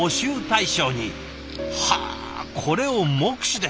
はあこれを目視で。